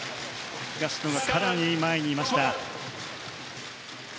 東野がかなり前にいました。